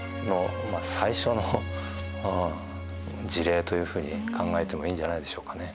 言わばというふうに考えてもいいんじゃないでしょうかね。